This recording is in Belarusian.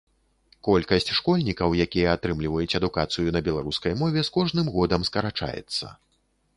Колькасць школьнікаў, якія атрымліваюць адукацыю на беларускай мове, з кожным годам скарачаецца.